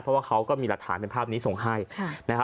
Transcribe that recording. เพราะว่าเขาก็มีหลักฐานเป็นภาพนี้ส่งให้นะฮะ